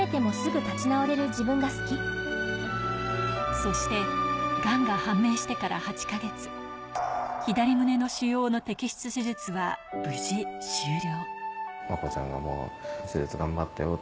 そしてがんが判明してから８か月、左胸の腫瘍の摘出手術は無事終了。